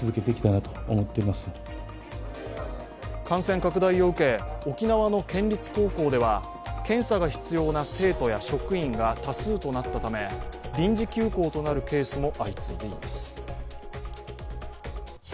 感染拡大を受け、沖縄の県立高校では検査が必要な生徒や職員が多数となったため臨時休校となるケースも相次いでいます。